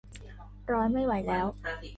ร้อนไม่ไหวแล้ว